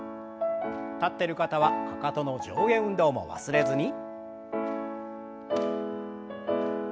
立ってる方はかかとの上下運動も忘れずに。